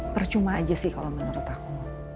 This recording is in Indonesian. percuma aja sih kalau menurut aku